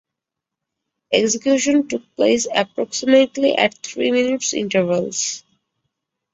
Executions took place approximately at three minute intervals.